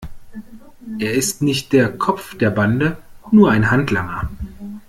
Er ist nicht der Kopf der Bande, nur ein Handlanger.